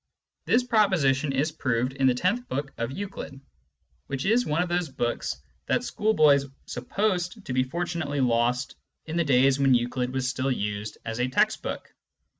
This proposition is proved in the tenth book of Euclid, which is one of those books that schoolboys supposed to be fortunately lost in the days when Euclid was still used as a text book.